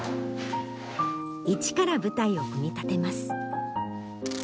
一から舞台を組み立てます。